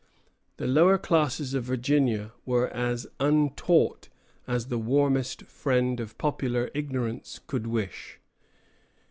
The lower classes of Virginia were as untaught as the warmest friend of popular ignorance could wish.